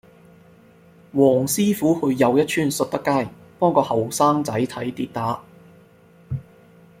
黃師傅去又一村述德街幫個後生仔睇跌打